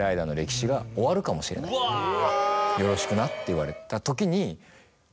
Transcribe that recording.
「よろしくな」って言われたときに。